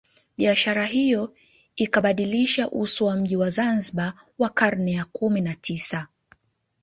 Biashara hiyo ikabadilisha uso wa mji wa Zanzibar wa karne ya kumi na tisa